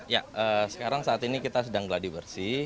ya sekarang saat ini kita sedang geladi bersih